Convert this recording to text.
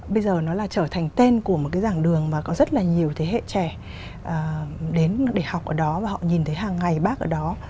bây giờ nó là trở thành tên của một cái giảng đường mà có rất là nhiều thế hệ trẻ đến để học ở đó và họ nhìn thấy hàng ngày bác ở đó